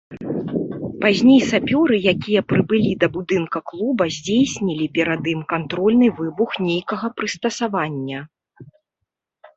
Пазней сапёры, якія прыбылі да будынка клуба, здзейснілі перад ім кантрольны выбух нейкага прыстасавання.